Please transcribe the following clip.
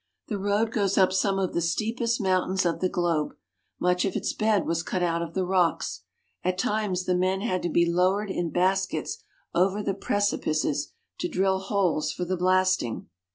The road goes up some of the steepest mountains of the globe. Much of its bed was cut out of the rocks. At times the men had to be lowered in baskets over the precipices to drill holes for the •* We shoot through tunnels." blasting.